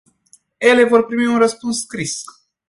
Ele vor primi un răspuns scris.